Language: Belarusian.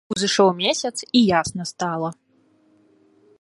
Узышоў месяц, і ясна стала.